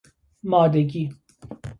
مادگی